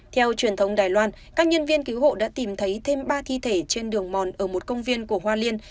theo truyền thống đài loan các nhân viên cứu hộ đã tìm thấy thêm ba thi thể trên đường mòn ở một công viên của hoa liên